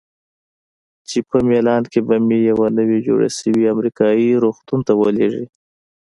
چې په میلان کې به مې یوه نوي جوړ شوي امریکایي روغتون ته ولیږي.